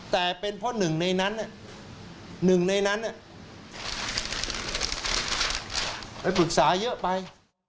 แต่เป็นเพราะหนึ่งในนั้นไปปรึกษาเยอะไป